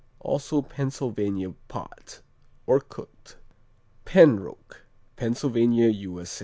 Also Pennsylvania pot, or cooked. Penroque _Pennsylvania, U.S.